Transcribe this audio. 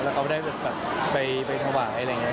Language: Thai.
แล้วเขาได้แบบไปถวายอะไรอย่างนี้